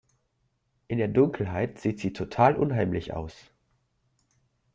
In der Dunkelheit sieht sie total unheimlich aus.